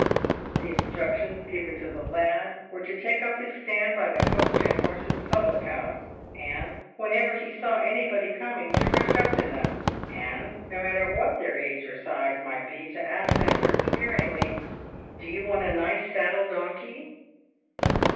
The instructions given to the lad were to take up his stand by the Coach and Horses public house, and, whenever he saw anybody coming, to rush up to them, and, no matter what their age or size might be, to ask them perseveringly, " Do you want a nice saddle donkey